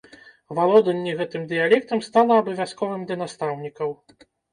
Валоданне гэтым дыялектам стала абавязковым для настаўнікаў.